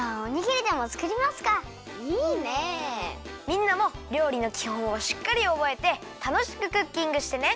みんなも料理のきほんをしっかりおぼえてたのしくクッキングしてね！